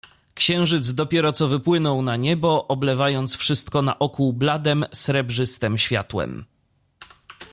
"Księżyc dopiero co wypłynął na niebo, oblewając wszystko naokół bladem, srebrzystem światłem."